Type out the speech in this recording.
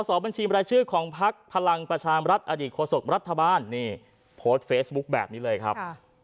สอบบัญชีบรายชื่อของพักพลังประชามรัฐอดีตโฆษกรัฐบาลนี่โพสต์เฟซบุ๊คแบบนี้เลยครับ